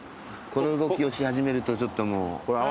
この動きをし始めるとちょっともう。